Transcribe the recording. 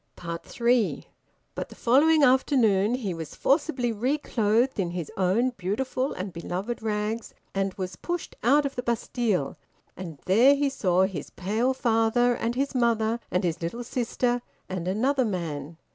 THREE. But the following afternoon he was forcibly reclothed in his own beautiful and beloved rags, and was pushed out of the Bastille, and there he saw his pale father and his mother, and his little sister, and another man.